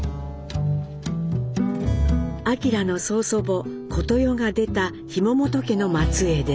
明の曽祖母・小とよが出た紐本家の末えいです。